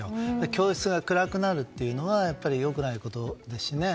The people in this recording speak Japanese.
教室が暗くなるっていうのは良くないことですしね。